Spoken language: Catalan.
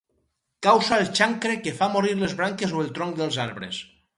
Causa el xancre que fa morir les branques o el tronc dels arbres.